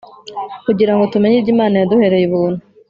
kugira ngo tumenye ibyo Imana yaduhereye Ubuntu